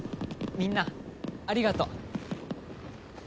みんなありがとう！